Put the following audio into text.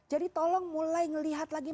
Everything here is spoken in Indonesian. jadi tolong mulai melihat lagi